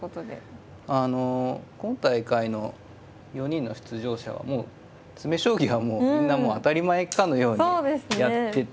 あの今大会の４人の出場者はもう詰将棋はみんなもう当たり前かのようにやってて。